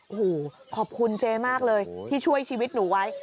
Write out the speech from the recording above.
โอ้โหขอบคุณเจ๊มากเลยที่ช่วยชีวิตหนูไว้